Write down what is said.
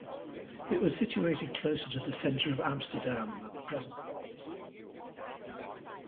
It was situated closer to the centre of Amsterdam than the present one.